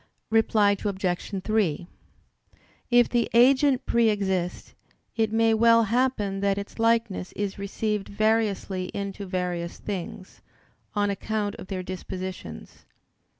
Reply Obj. 3: If the agent pre exist, it may well happen that its likeness is received variously into various things, on account of their dispositions.